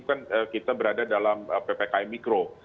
kan kita berada dalam ppkm mikro